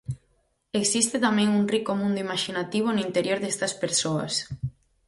Existe tamén un rico mundo imaxinativo no interior destas persoas.